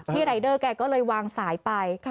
รายเดอร์แกก็เลยวางสายไป